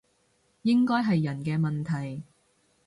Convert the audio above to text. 應該係人嘅問題